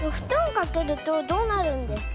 かけるとどうなるんですか？